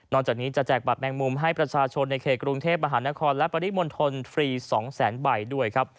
จากนี้จะแจกบัตรแมงมุมให้ประชาชนในเขตกรุงเทพมหานครและปริมณฑลฟรี๒แสนใบด้วยครับ